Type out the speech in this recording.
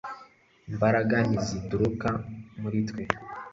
imbaraga ntizituruka muri twe